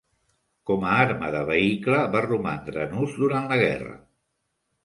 Com a arma de vehicle, va romandre en ús durant la guerra.